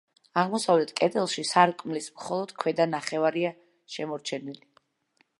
აღმოსავლეთ კედელში სარკმლის მხოლოდ ქვედა ნახევარია შემორჩენილი.